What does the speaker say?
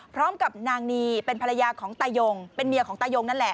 พร้อมกับนางนีเป็นภรรยาของตายงเป็นเมียของตายงนั่นแหละ